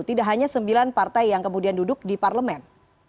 tidak hanya sembilan partai yang kemudian duduk di parlemen